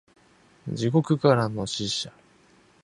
地獄からの使者